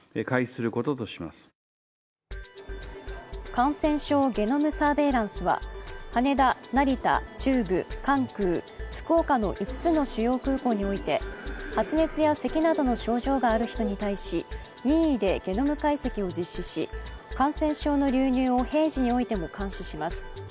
感染症ゲノムサーベイランスは、羽田、成田、中部、関空、福岡の５つの主要空港において、発熱やせきなどの症状がある人に対し、任意でゲノム解析を実施し、感染症の流入を平時においても監視します。